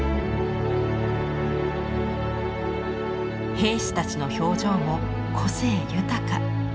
兵士たちの表情も個性豊か。